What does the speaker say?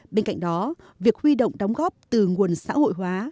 bên cạnh đó việc huy động đóng góp từ nguồn xã hội hóa